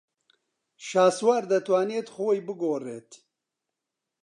شاسوار دەتوانێت خۆی بگۆڕێت.